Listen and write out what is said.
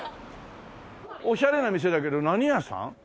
オシャレな店だけど何屋さん？